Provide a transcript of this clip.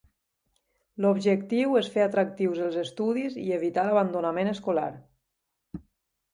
L'objectiu és fer atractius els estudis i evitar l'abandonament escolar.